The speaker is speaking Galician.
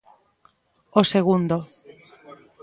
O segundo.